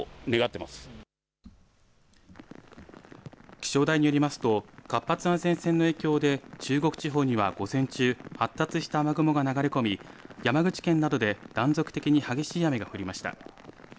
気象台によりますと活発な前線の影響で中国地方には午前中、発達した雨雲が流れ込み山口県などで断続的に激しい雨が降りました。